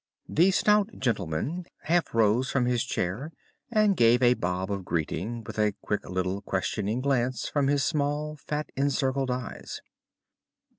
The stout gentleman half rose from his chair and gave a bob of greeting, with a quick little questioning glance from his small fat encircled eyes.